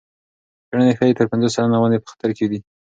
څېړنې ښيي تر پنځوس سلنه ونې په خطر کې دي.